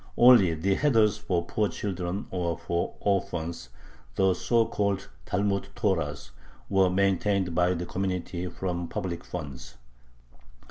Only the heders for poor children or for orphans, the so called Talmud Torahs, were maintained by the community from public funds.